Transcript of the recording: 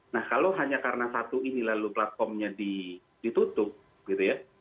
nah kalau hanya karena satu ini lalu platformnya ditutup gitu ya